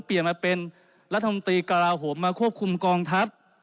เปลี่ยนมาเป็นรัฐมนตรีกระลาโหมมาควบคุมกองทัพ